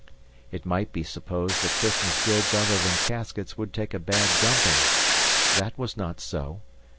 It might be supposed that Christmas goods other than caskets would take a bad dumping. That was not so.